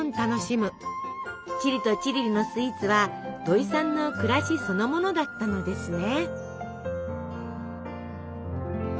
チリとチリリのスイーツはどいさんの暮らしそのものだったのですね！